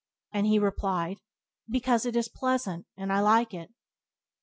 And he replied: "Because it is pleasant, and I like it".